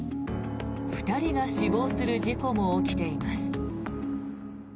２人が死亡する事故も起きています。